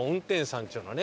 っちゅうのはね